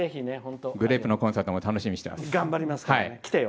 グレープのコンサートも楽しみにしています。